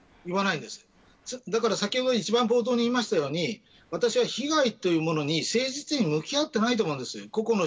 だから先ほど一番冒頭に言いましたように私は、被害というものに誠実に向き合っていないと思うんです。